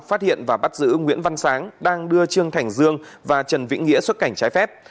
phát hiện và bắt giữ nguyễn văn sáng đang đưa trương thành dương và trần vĩnh nghĩa xuất cảnh trái phép